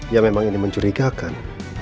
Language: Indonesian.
ya memang ini mencurigakan